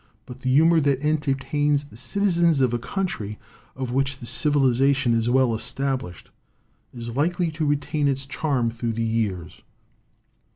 "But the humor that entertains the citizens of a country of which the civilization is well estab lished is likely to retain its charm through the years.